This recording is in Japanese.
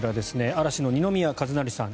嵐の二宮和也さん